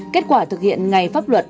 kết quả thực hiện ngày pháp luật